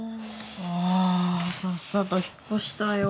ああさっさと引っこしたいわ。